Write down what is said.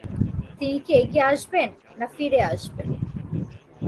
তিনি কি এগিয়ে যাবেন, না ফিরে আসবেন?